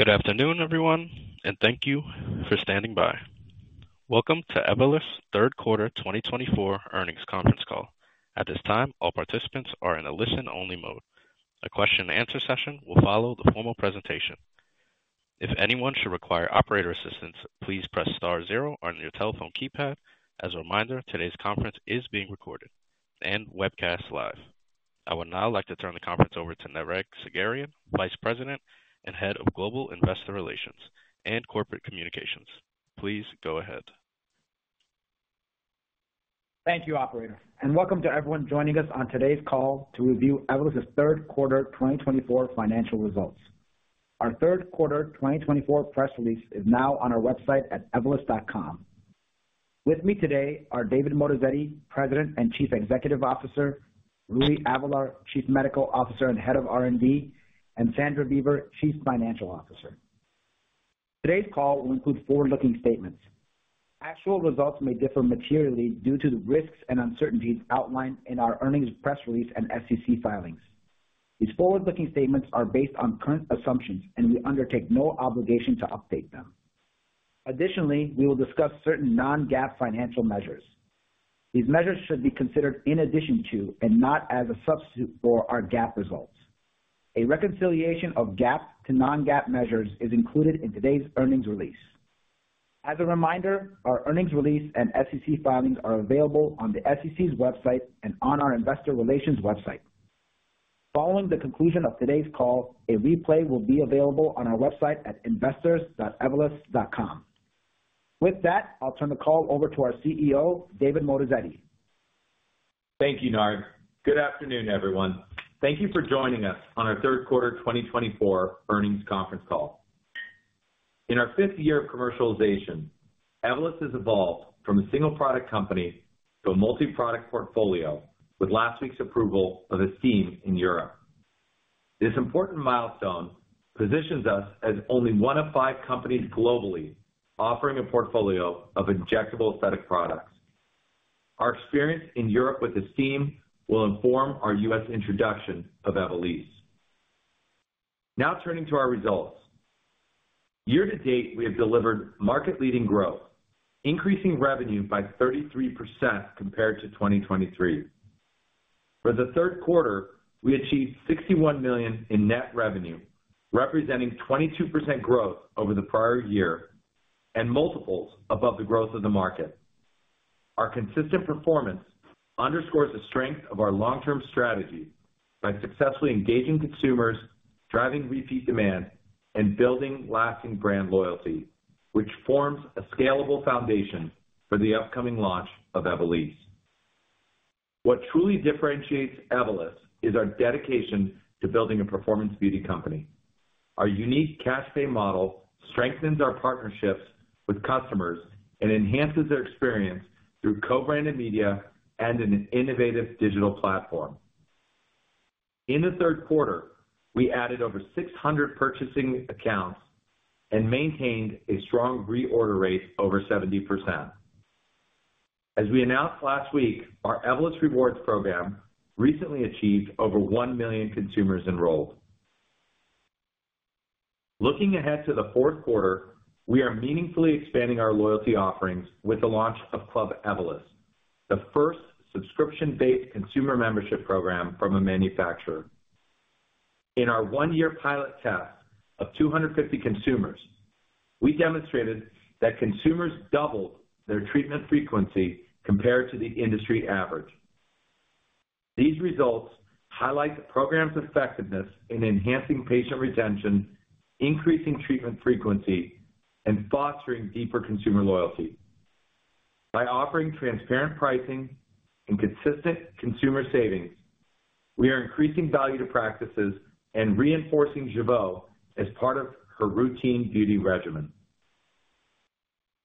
Good afternoon, everyone, and thank you for standing by. Welcome to Evolus' Third Quarter 2024 Earnings Conference Call. At this time, all participants are in a listen-only mode. A question-and-answer session will follow the formal presentation. If anyone should require operator assistance, please press star zero on your telephone keypad. As a reminder, today's conference is being recorded and webcast live. I would now like to turn the conference over to Nareg Sagherian, Vice President and Head of Global Investor Relations and Corporate Communications. Please go ahead. Thank you, Operator, and welcome to everyone joining us on today's call to review Evolus' third quarter 2024 financial results. Our third quarter 2024 press release is now on our website at evolus.com. With me today are David Moatazedi, President and Chief Executive Officer, Rui Avelar, Chief Medical Officer and Head of R&D, and Sandra Beaver, Chief Financial Officer. Today's call will include forward-looking statements. Actual results may differ materially due to the risks and uncertainties outlined in our earnings press release and SEC filings. These forward-looking statements are based on current assumptions, and we undertake no obligation to update them. Additionally, we will discuss certain non-GAAP financial measures. These measures should be considered in addition to, and not as a substitute for our GAAP results. A reconciliation of GAAP to non-GAAP measures is included in today's earnings release. As a reminder, our earnings release and SEC filings are available on the SEC's website and on our Investor Relations website. Following the conclusion of today's call, a replay will be available on our website at investors.evolus.com. With that, I'll turn the call over to our CEO, David Moatazedi. Thank you, Nareg. Good afternoon, everyone. Thank you for joining us on our third quarter 2024 earnings conference call. In our fifth year of commercialization, Evolus has evolved from a single-product company to a multi-product portfolio with last week's approval of Estyme in Europe. This important milestone positions us as only one of five companies globally offering a portfolio of injectable aesthetic products. Our experience in Europe with Estyme will inform our U.S. introduction of Evolysse. Now, turning to our results. Year to date, we have delivered market-leading growth, increasing revenue by 33% compared to 2023. For the third quarter, we achieved $61 million in net revenue, representing 22% growth over the prior year and multiples above the growth of the market. Our consistent performance underscores the strength of our long-term strategy by successfully engaging consumers, driving repeat demand, and building lasting brand loyalty, which forms a scalable foundation for the upcoming launch of Evolysse. What truly differentiates Evolus is our dedication to building a performance beauty company. Our unique cash pay model strengthens our partnerships with customers and enhances their experience through co-branded media and an innovative digital platform. In the third quarter, we added over 600 purchasing accounts and maintained a strong reorder rate over 70%. As we announced last week, our Evolus Rewards program recently achieved over 1 million consumers enrolled. Looking ahead to the fourth quarter, we are meaningfully expanding our loyalty offerings with the launch of Club Evolus, the first subscription-based consumer membership program from a manufacturer. In our one-year pilot test of 250 consumers, we demonstrated that consumers doubled their treatment frequency compared to the industry average. These results highlight the program's effectiveness in enhancing patient retention, increasing treatment frequency, and fostering deeper consumer loyalty. By offering transparent pricing and consistent consumer savings, we are increasing value to practices and reinforcing Jeuveau as part of her routine beauty regimen.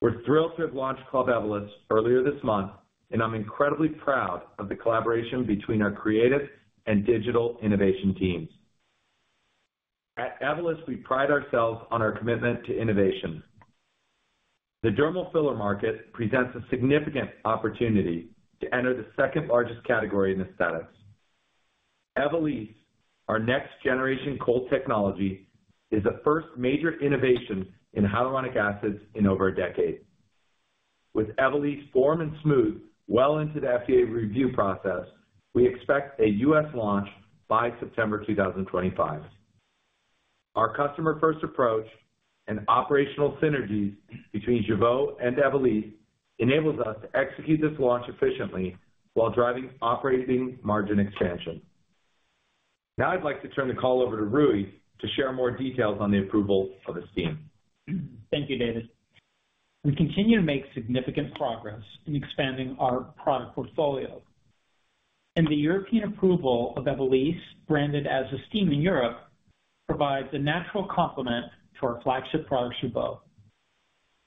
We're thrilled to have launched Club Evolus earlier this month, and I'm incredibly proud of the collaboration between our creative and digital innovation teams. At Evolus, we pride ourselves on our commitment to innovation. The dermal filler market presents a significant opportunity to enter the second-largest category in aesthetics. Evolysse, our next-generation cold technology, is the first major innovation in hyaluronic acids in over a decade. With Evolysse Form and Smooth well into the FDA review process, we expect a U.S. launch by September 2025. Our customer-first approach and operational synergies between Jeuveau and Evolysse enable us to execute this launch efficiently while driving operating margin expansion. Now, I'd like to turn the call over to Rui to share more details on the approval of Estyme. Thank you, David. We continue to make significant progress in expanding our product portfolio. The European approval of Evolysse, branded as Estyme in Europe, provides a natural complement to our flagship product, Jeuveau.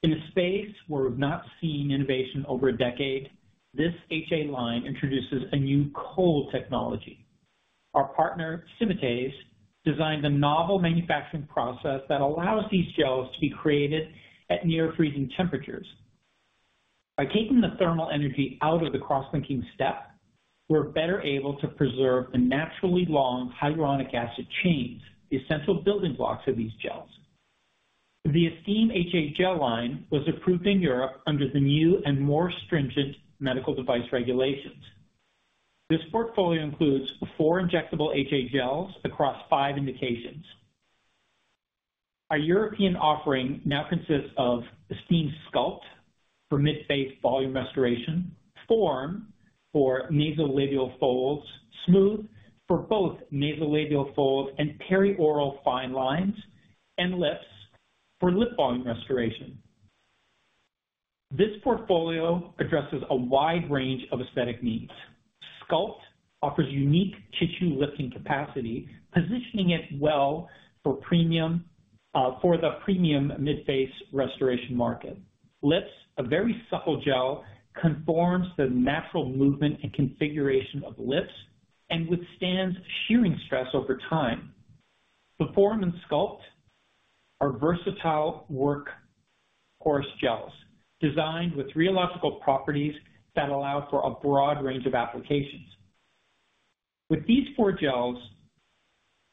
In a space where we've not seen innovation over a decade, this HA line introduces a new cold technology. Our partner, Symatese, designed a novel manufacturing process that allows these gels to be created at near-freezing temperatures. By taking the thermal energy out of the cross-linking step, we're better able to preserve the naturally long hyaluronic acid chains, the essential building blocks of these gels. The Estyme HA gel line was approved in Europe under the new and more stringent medical device regulations. This portfolio includes four injectable HA gels across five indications. Our European offering now consists of Estyme Sculpt for mid-face volume restoration, Estyme Form for nasolabial folds, Estyme Smooth for both nasolabial folds and perioral fine lines, and Estyme Lips for lip volume restoration. This portfolio addresses a wide range of aesthetic needs. Sculpt offers unique tissue lifting capacity, positioning it well for the premium mid-face restoration market. Lips, a very supple gel, conforms to the natural movement and configuration of Lips and withstands shearing stress over time. Form and Sculpt are versatile workhorse gels designed with rheological properties that allow for a broad range of applications. With these four gels,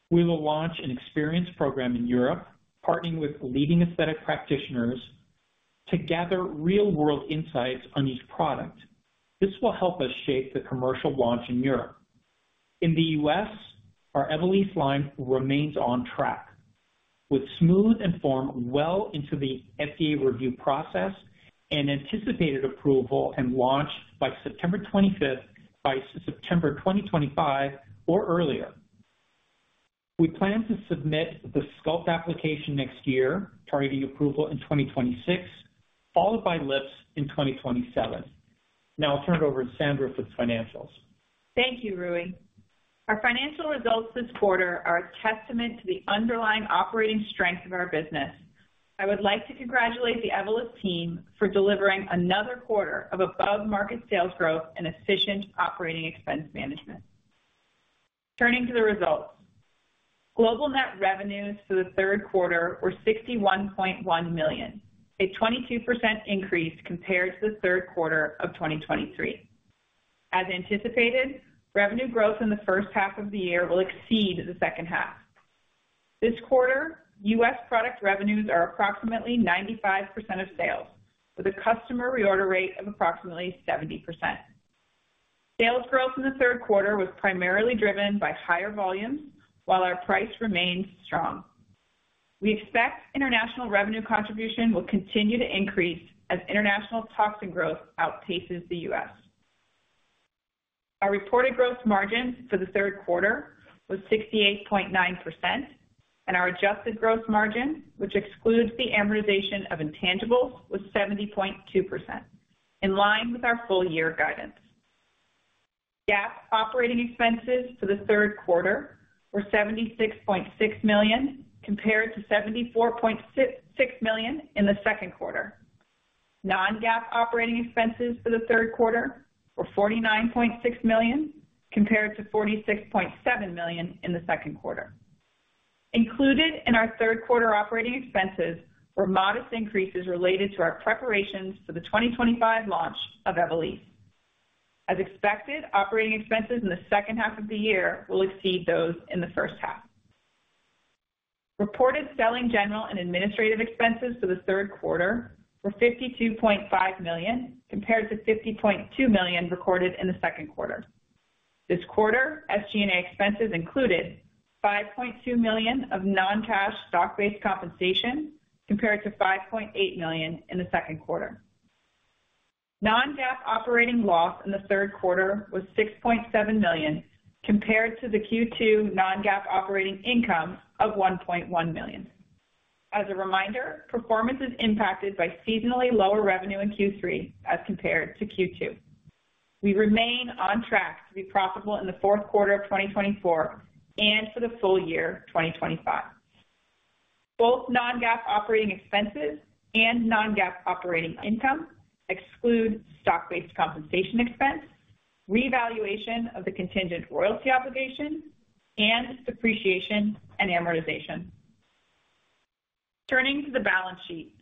we will launch an experience program in Europe, partnering with leading aesthetic practitioners to gather real-world insights on each product. This will help us shape the commercial launch in Europe. In the U.S., our Evolysse line remains on track, with Smooth and Form well into the FDA review process and anticipated approval and launch by September 2025 or earlier. We plan to submit the Sculpt application next year, targeting approval in 2026, followed by Lips in 2027. Now, I'll turn it over to Sandra for the financials. Thank you, Rui. Our financial results this quarter are a testament to the underlying operating strength of our business. I would like to congratulate the Evolus team for delivering another quarter of above-market sales growth and efficient operating expense management. Turning to the results, global net revenues for the third quarter were $61.1 million, a 22% increase compared to the third quarter of 2023. As anticipated, revenue growth in the first half of the year will exceed the second half. This quarter, U.S. product revenues are approximately 95% of sales, with a customer reorder rate of approximately 70%. Sales growth in the third quarter was primarily driven by higher volumes, while our price remained strong. We expect international revenue contribution will continue to increase as international toxin growth outpaces the U.S. Our reported gross margin for the third quarter was 68.9%, and our adjusted gross margin, which excludes the amortization of intangibles, was 70.2%, in line with our full-year guidance. GAAP operating expenses for the third quarter were $76.6 million compared to $74.6 million in the second quarter. Non-GAAP operating expenses for the third quarter were $49.6 million compared to $46.7 million in the second quarter. Included in our third quarter operating expenses were modest increases related to our preparations for the 2025 launch of Evolysse. As expected, operating expenses in the second half of the year will exceed those in the first half. Reported selling, general, and administrative expenses for the third quarter were $52.5 million compared to $50.2 million recorded in the second quarter. This quarter, SG&A expenses included $5.2 million of non-cash stock-based compensation compared to $5.8 million in the second quarter. Non-GAAP operating loss in the third quarter was $6.7 million compared to the Q2 non-GAAP operating income of $1.1 million. As a reminder, performance is impacted by seasonally lower revenue in Q3 as compared to Q2. We remain on track to be profitable in the fourth quarter of 2024 and for the full year 2025. Both non-GAAP operating expenses and non-GAAP operating income exclude stock-based compensation expense, revaluation of the contingent royalty obligation, and depreciation and amortization. Turning to the balance sheet,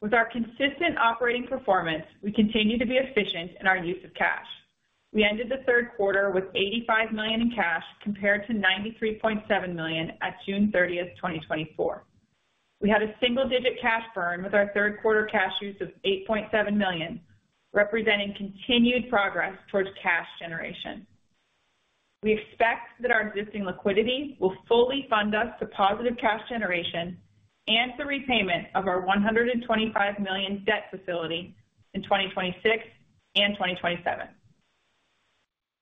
with our consistent operating performance, we continue to be efficient in our use of cash. We ended the third quarter with $85 million in cash compared to $93.7 million at June 30th, 2024. We had a single-digit cash burn with our third quarter cash use of $8.7 million, representing continued progress towards cash generation. We expect that our existing liquidity will fully fund us to positive cash generation and to repayment of our $125 million debt facility in 2026 and 2027.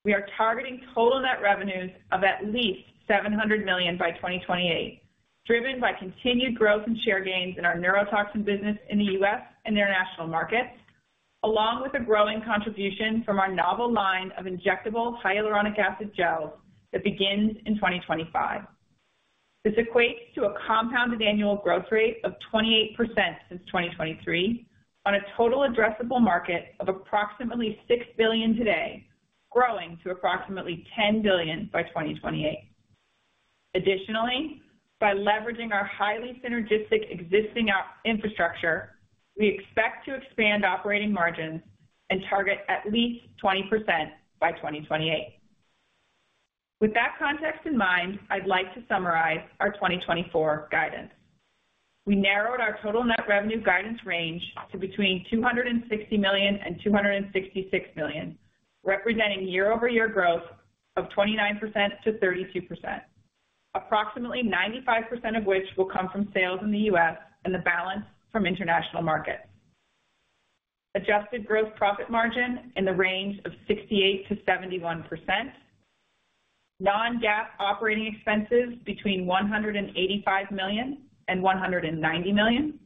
We are targeting total net revenues of at least $700 million by 2028, driven by continued growth and share gains in our neurotoxin business in the U.S. and international markets, along with a growing contribution from our novel line of injectable hyaluronic acid gels that begins in 2025. This equates to a compounded annual growth rate of 28% since 2023 on a total addressable market of approximately $6 billion today, growing to approximately $10 billion by 2028. Additionally, by leveraging our highly synergistic existing infrastructure, we expect to expand operating margins and target at least 20% by 2028. With that context in mind, I'd like to summarize our 2024 guidance. We narrowed our total net revenue guidance range to between $260 million and $266 million, representing year-over-year growth of 29%-32%, approximately 95% of which will come from sales in the U.S. and the balance from international markets. Adjusted gross profit margin in the range of 68%-71%. Non-GAAP operating expenses between $185 million and $190 million.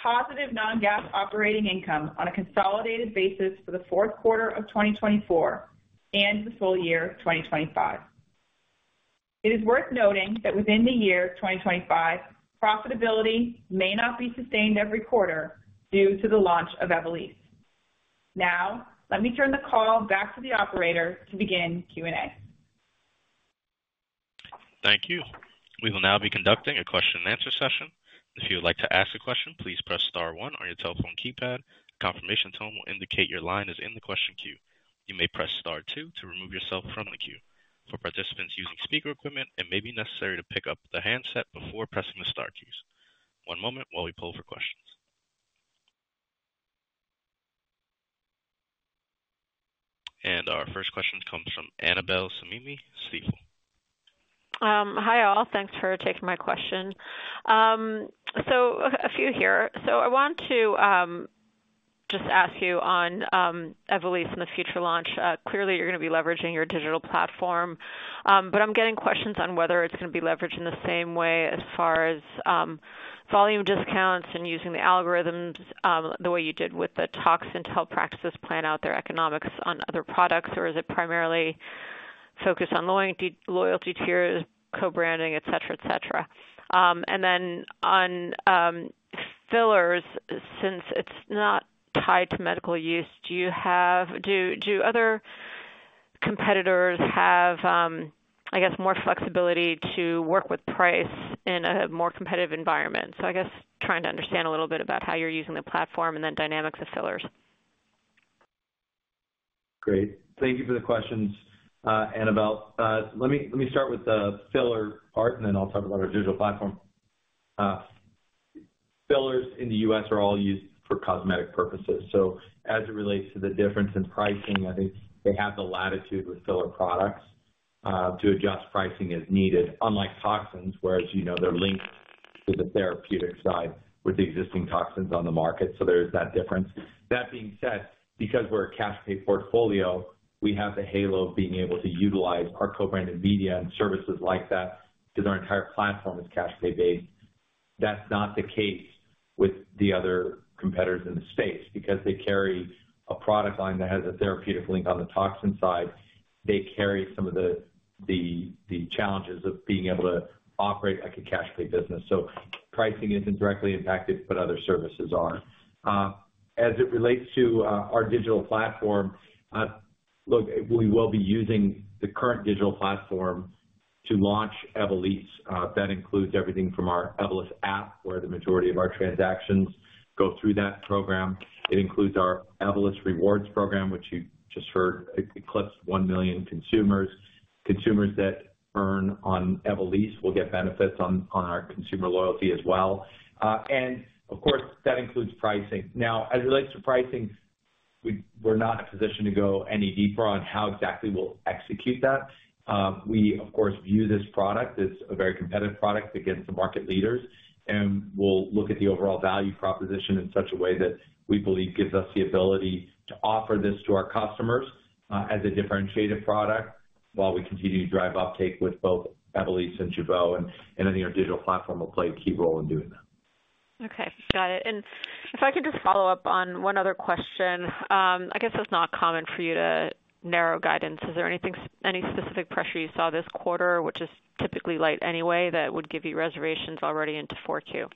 Positive non-GAAP operating income on a consolidated basis for the fourth quarter of 2024 and the full year 2025. It is worth noting that within the year 2025, profitability may not be sustained every quarter due to the launch of Evolysse. Now, let me turn the call back to the operator to begin Q&A. Thank you. We will now be conducting a question-and-answer session. If you would like to ask a question, please press star one on your telephone keypad. Confirmation tone will indicate your line is in the question queue. You may press star two to remove yourself from the queue. For participants using speaker equipment, it may be necessary to pick up the handset before pressing the star keys. One moment while we pull for questions. And our first question comes from Annabel Samimy, Stifel. Hi all. Thanks for taking my question. So a few here. So I want to just ask you on Evolysse and the future launch, clearly you're going to be leveraging your digital platform, but I'm getting questions on whether it's going to be leveraged in the same way as far as volume discounts and using the algorithms the way you did with the toxin to help practices plan out their economics on other products, or is it primarily focused on loyalty tiers, co-branding, etc., etc.? And then on fillers, since it's not tied to medical use, do other competitors have, I guess, more flexibility to work with price in a more competitive environment? So I guess trying to understand a little bit about how you're using the platform and then dynamics of fillers. Great. Thank you for the questions, Annabel. Let me start with the filler part, and then I'll talk about our digital platform. Fillers in the U.S. are all used for cosmetic purposes. So as it relates to the difference in pricing, I think they have the latitude with filler products to adjust pricing as needed, unlike toxins, whereas they're linked to the therapeutic side with the existing toxins on the market. So there is that difference. That being said, because we're a cash-pay portfolio, we have the halo of being able to utilize our co-branded media and services like that because our entire platform is cash-pay based. That's not the case with the other competitors in the space because they carry a product line that has a therapeutic link on the toxin side. They carry some of the challenges of being able to operate like a cash-pay business. So pricing isn't directly impacted, but other services are. As it relates to our digital platform, look, we will be using the current digital platform to launch Evolysse. That includes everything from our Evolus app, where the majority of our transactions go through that program. It includes our Evolus Rewards program, which you just heard eclipsed one million consumers. Consumers that earn on Evolysse will get benefits on our consumer loyalty as well. And of course, that includes pricing. Now, as it relates to pricing, we're not in a position to go any deeper on how exactly we'll execute that. We, of course, view this product as a very competitive product against the market leaders, and we'll look at the overall value proposition in such a way that we believe gives us the ability to offer this to our customers as a differentiated product while we continue to drive uptake with both Evolysse and Jeuveau, and I think our digital platform will play a key role in doing that. Okay. Got it. And if I could just follow up on one other question. I guess it's not common for you to narrow guidance. Is there any specific pressure you saw this quarter, which is typically light anyway, that would give you reservations already into four Q?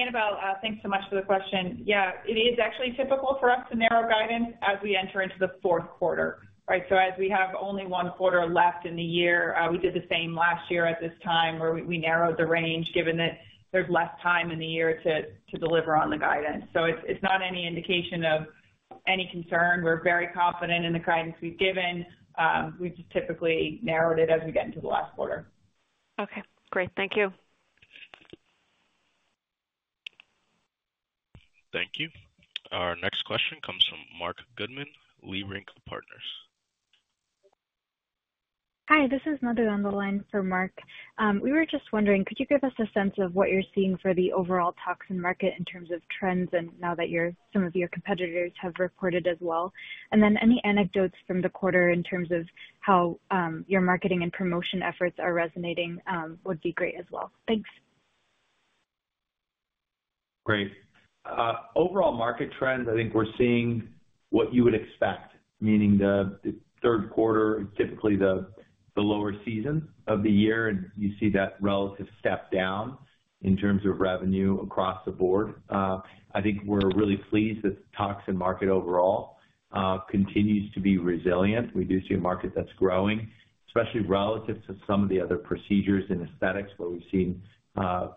Annabel, thanks so much for the question. Yeah, it is actually typical for us to narrow guidance as we enter into the fourth quarter, right? So as we have only one quarter left in the year, we did the same last year at this time where we narrowed the range given that there's less time in the year to deliver on the guidance. So it's not any indication of any concern. We're very confident in the guidance we've given. We've just typically narrowed it as we get into the last quarter. Okay. Great. Thank you. Thank you. Our next question comes from Marc Goodman, Leerink Partners. Hi, this is Nadia on the line for Marc. We were just wondering, could you give us a sense of what you're seeing for the overall toxin market in terms of trends and now that some of your competitors have reported as well? And then any anecdotes from the quarter in terms of how your marketing and promotion efforts are resonating would be great as well. Thanks. Great. Overall market trends, I think we're seeing what you would expect, meaning the third quarter is typically the lower season of the year, and you see that relative step down in terms of revenue across the board. I think we're really pleased that the toxin market overall continues to be resilient. We do see a market that's growing, especially relative to some of the other procedures and aesthetics where we've seen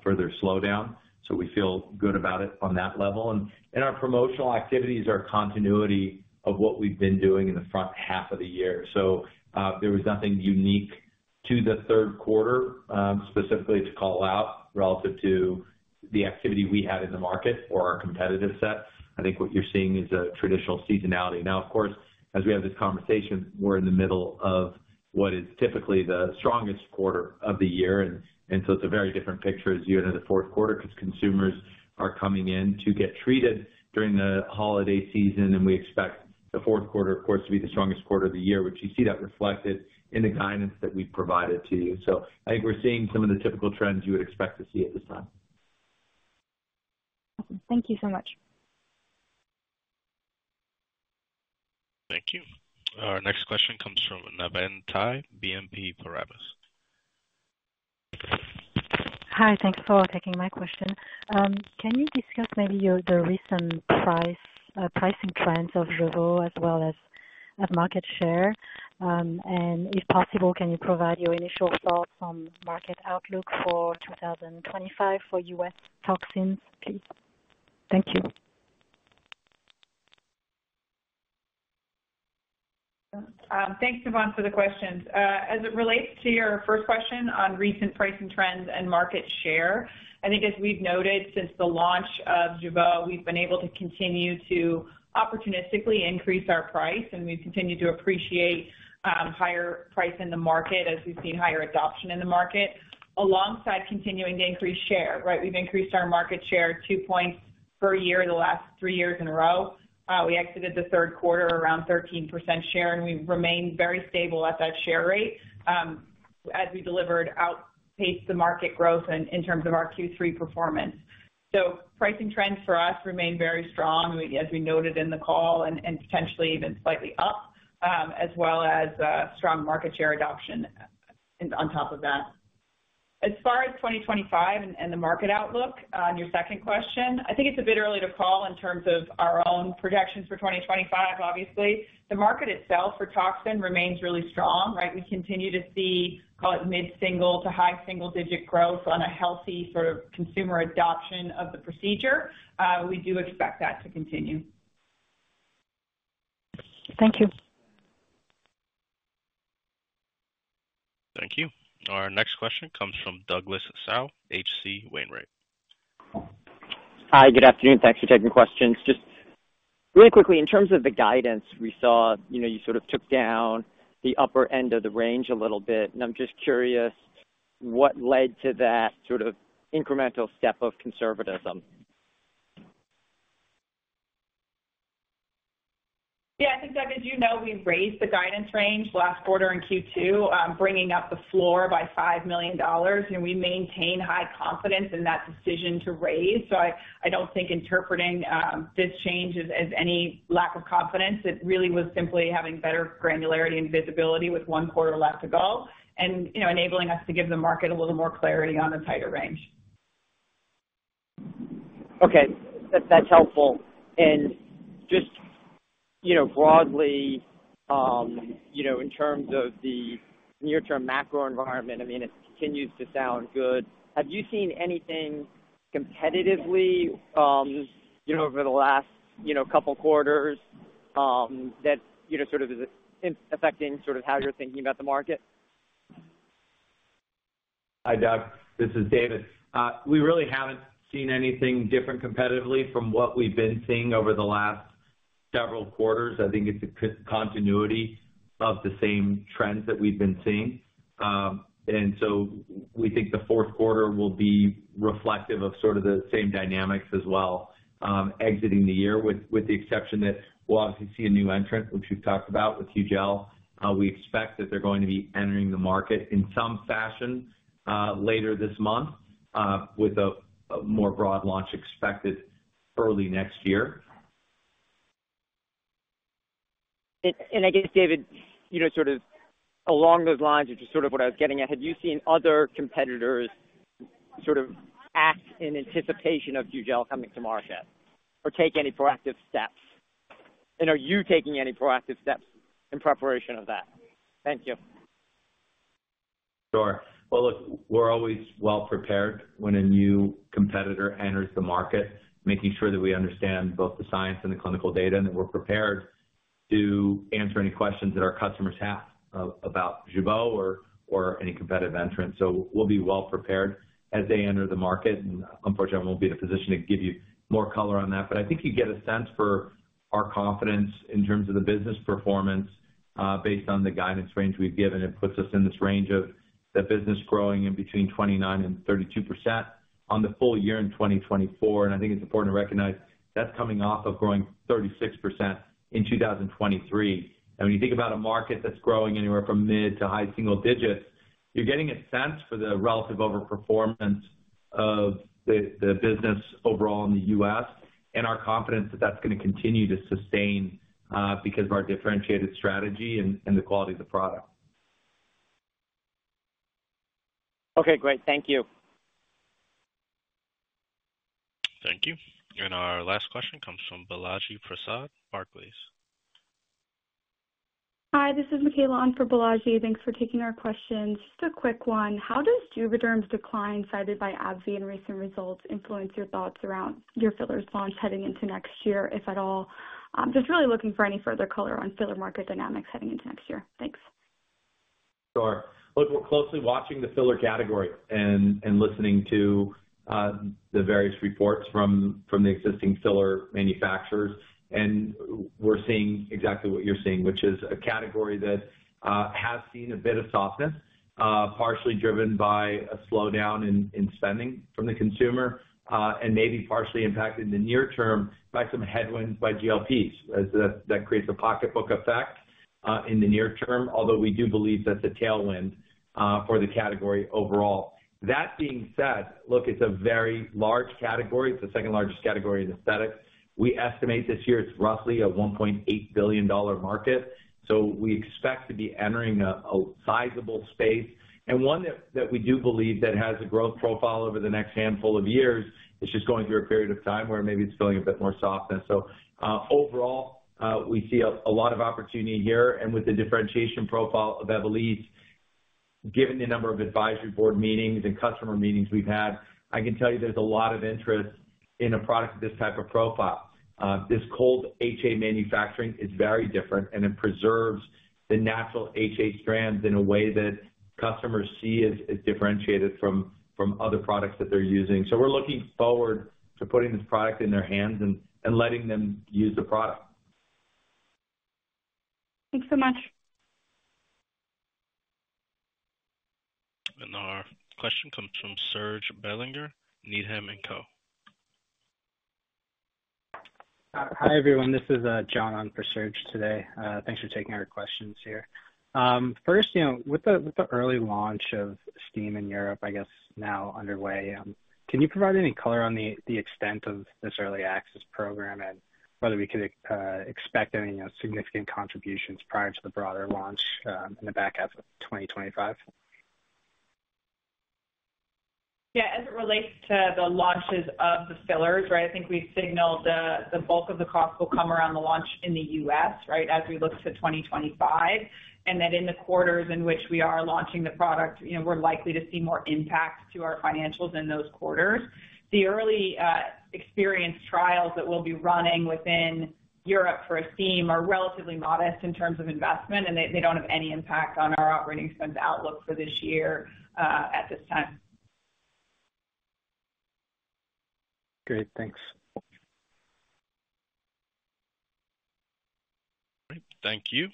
further slowdown. So we feel good about it on that level. And our promotional activities are a continuity of what we've been doing in the front half of the year. So there was nothing unique to the third quarter specifically to call out relative to the activity we had in the market or our competitive set. I think what you're seeing is a traditional seasonality. Now, of course, as we have this conversation, we're in the middle of what is typically the strongest quarter of the year, and so it's a very different picture as you enter the fourth quarter because consumers are coming in to get treated during the holiday season, and we expect the fourth quarter, of course, to be the strongest quarter of the year, which you see that reflected in the guidance that we've provided to you, so I think we're seeing some of the typical trends you would expect to see at this time. Awesome. Thank you so much. Thank you. Our next question comes from Navann Ty, BNP Paribas. Hi. Thanks for taking my question. Can you discuss maybe the recent pricing trends of Jeuveau as well as market share? And if possible, can you provide your initial thoughts on market outlook for 2025 for U.S. toxins, please? Thank you. Thanks, Navann, for the questions. As it relates to your first question on recent pricing trends and market share, I think as we've noted since the launch of Jeuveau, we've been able to continue to opportunistically increase our price, and we've continued to appreciate higher price in the market as we've seen higher adoption in the market alongside continuing to increase share, right? We've increased our market share two points per year the last three years in a row. We exited the third quarter around 13% share, and we remained very stable at that share rate as we delivered outpaced the market growth in terms of our Q3 performance. So pricing trends for us remain very strong, as we noted in the call, and potentially even slightly up, as well as strong market share adoption on top of that. As far as 2025 and the market outlook on your second question, I think it's a bit early to call in terms of our own projections for 2025, obviously. The market itself for toxin remains really strong, right? We continue to see, call it mid-single to high single-digit growth on a healthy sort of consumer adoption of the procedure. We do expect that to continue. Thank you. Thank you. Our next question comes from Douglas Tsao, H.C. Wainwright. Hi, good afternoon. Thanks for taking questions. Just really quickly, in terms of the guidance we saw, you sort of took down the upper end of the range a little bit. And I'm just curious, what led to that sort of incremental step of conservatism? Yeah, I think, Doug, as you know, we raised the guidance range last quarter in Q2, bringing up the floor by $5 million. We maintain high confidence in that decision to raise. So I don't think interpreting this change as any lack of confidence. It really was simply having better granularity and visibility with one quarter left to go and enabling us to give the market a little more clarity on a tighter range. Okay. That's helpful, and just broadly, in terms of the near-term macro environment, I mean, it continues to sound good. Have you seen anything competitively over the last couple of quarters that sort of is affecting sort of how you're thinking about the market? Hi, Doug. This is David. We really haven't seen anything different competitively from what we've been seeing over the last several quarters. I think it's a continuity of the same trends that we've been seeing, and so we think the fourth quarter will be reflective of sort of the same dynamics as well, exiting the year, with the exception that we'll obviously see a new entrant, which we've talked about with Hugel. We expect that they're going to be entering the market in some fashion later this month with a more broad launch expected early next year. And I guess, David, sort of along those lines, which is sort of what I was getting at, have you seen other competitors sort of act in anticipation of Hugel coming to market or take any proactive steps? And are you taking any proactive steps in preparation of that? Thank you. Sure. Well, look, we're always well prepared when a new competitor enters the market, making sure that we understand both the science and the clinical data and that we're prepared to answer any questions that our customers have about Jeuveau or any competitive entrant. So we'll be well prepared as they enter the market. And unfortunately, I won't be in a position to give you more color on that. But I think you get a sense for our confidence in terms of the business performance based on the guidance range we've given. It puts us in this range of the business growing between 29% and 32% on the full year in 2024. And I think it's important to recognize that's coming off of growing 36% in 2023. When you think about a market that's growing anywhere from mid to high single digits, you're getting a sense for the relative overperformance of the business overall in the U.S. and our confidence that that's going to continue to sustain because of our differentiated strategy and the quality of the product. Okay. Great. Thank you. Thank you. And our last question comes from Balaji Prasad, Barclays. Hi, this is Mikaela on for Balaji. Thanks for taking our questions. Just a quick one. How does Juvéderm's decline cited by AbbVie in recent results influence your thoughts around your filler's launch heading into next year, if at all? Just really looking for any further color on filler market dynamics heading into next year. Thanks. Sure. Look, we're closely watching the filler category and listening to the various reports from the existing filler manufacturers. And we're seeing exactly what you're seeing, which is a category that has seen a bit of softness, partially driven by a slowdown in spending from the consumer and maybe partially impacted in the near term by some headwinds by GLPs. That creates a pocketbook effect in the near term, although we do believe that's a tailwind for the category overall. That being said, look, it's a very large category. It's the second largest category in aesthetics. We estimate this year it's roughly a $1.8 billion market. So we expect to be entering a sizable space. And one that we do believe that has a growth profile over the next handful of years is just going through a period of time where maybe it's feeling a bit more softness. So overall, we see a lot of opportunity here. And with the differentiation profile of Evolysse, given the number of advisory board meetings and customer meetings we've had, I can tell you there's a lot of interest in a product with this type of profile. This cold HA manufacturing is very different, and it preserves the natural HA strands in a way that customers see as differentiated from other products that they're using. So we're looking forward to putting this product in their hands and letting them use the product. Thanks so much. Our question comes from Serge Belanger, Needham & Co. Hi everyone. This is John on for Serge today. Thanks for taking our questions here. First, with the early launch of Estyme in Europe, I guess now underway, can you provide any color on the extent of this early access program and whether we could expect any significant contributions prior to the broader launch in the back half of 2025? Yeah. As it relates to the launches of the fillers, right, I think we've signaled the bulk of the cost will come around the launch in the U.S., right, as we look to 2025, and then in the quarters in which we are launching the product, we're likely to see more impact to our financials in those quarters. The early experience trials that we'll be running within Europe for Estyme are relatively modest in terms of investment, and they don't have any impact on our operating expense outlook for this year at this time. Great. Thanks. All right. Thank you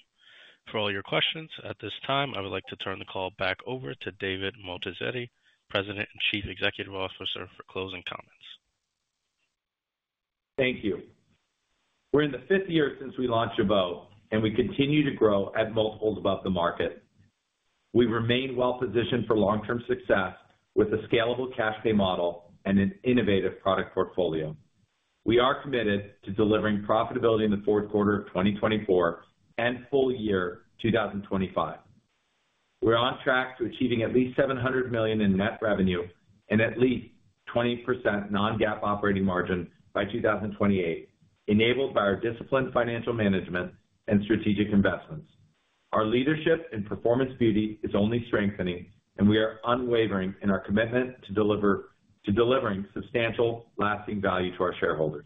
for all your questions. At this time, I would like to turn the call back over to David Moatazedi, President and Chief Executive Officer for closing comments. Thank you. We're in the fifth year since we launched Jeuveau, and we continue to grow at multiples above the market. We remain well positioned for long-term success with a scalable cash pay model and an innovative product portfolio. We are committed to delivering profitability in the fourth quarter of 2024 and full year 2025. We're on track to achieving at least $700 million in net revenue and at least 20% non-GAAP operating margin by 2028, enabled by our disciplined financial management and strategic investments. Our leadership in performance beauty is only strengthening, and we are unwavering in our commitment to delivering substantial lasting value to our shareholders.